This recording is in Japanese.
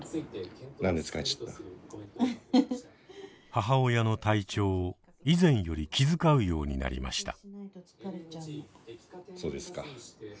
母親の体調を以前より気遣うようになりました。